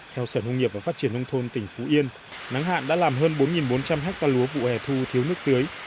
theo sở nông nghiệp và phát triển nông thôn tỉnh phú yên nắng hạn đã làm hơn bốn bốn trăm linh hectare lúa vụ hè thu thiếu nước tưới